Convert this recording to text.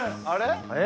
あれ？